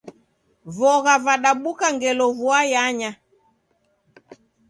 Vogha vadabuka ngelo vua yanya.